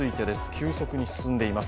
急速に進んでいます。